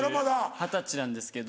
二十歳なんですけど。